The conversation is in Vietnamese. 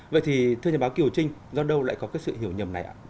vậy thì thưa nhà báo kiều trinh do đâu lại có cái sự hiểu nhầm này ạ